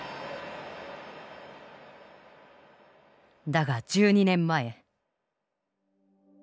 だが１２年前。